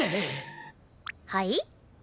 はい？